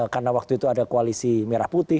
karena waktu itu ada koalisi merah putih